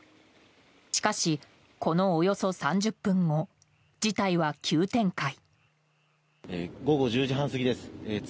しかし、このおよそ３０分後事態は急展開。